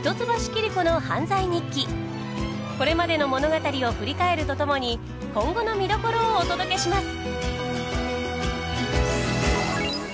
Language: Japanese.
これまでの物語を振り返るとともに今後の見どころをお届けします！